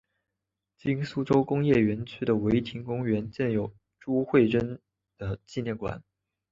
今苏州工业园区的唯亭公园建有朱慧珍的纪念馆。